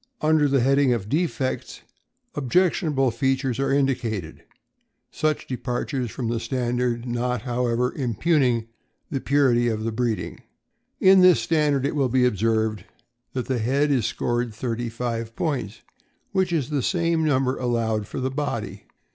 Under the heading of '' Defects '' objectionable features are indicated, such departures from the standard not, how ever, impugning the purity of the breeding. In this standard it will be observed that the head is scored thirty five points, which is the same number allowed for the body.